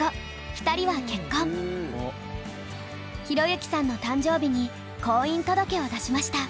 寛之さんの誕生日に婚姻届を出しました。